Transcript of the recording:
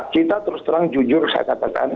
kita terus terang jujur saya katakan